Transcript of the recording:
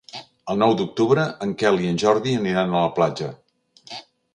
El nou d'octubre en Quel i en Jordi aniran a la platja.